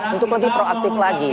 untuk lebih proaktif lagi